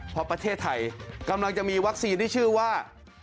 เพราะประเทศไทยกำลังจะมีวัคซีนที่ชื่อว่า